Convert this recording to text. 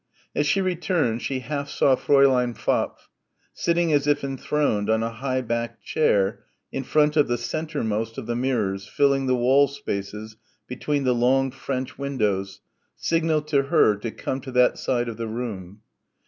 As she returned she half saw Fräulein Pfaff, sitting as if enthroned on a high backed chair in front of the centremost of the mirrors filling the wall spaces between the long French windows, signal to her, to come to that side of the room.